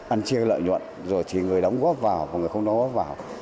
ăn chia lợi nhuận rồi thì người đóng góp vào người không đóng góp vào